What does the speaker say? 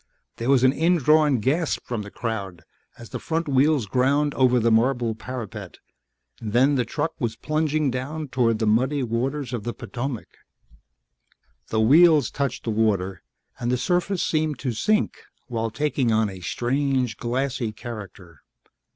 There was an indrawn gasp from the crowd as the front wheels ground over the marble parapet then the truck was plunging down toward the muddy waters of the Potomac. The wheels touched the water and the surface seemed to sink while taking on a strange glassy character.